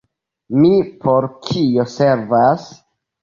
Mi por kio servas?